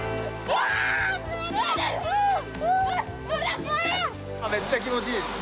めっちゃ気持ちいいです。